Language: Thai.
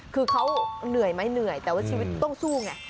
คือเขาเหนื่อยไหมเหนื่อยแต่ว่าชีวิตต้องสู้ไง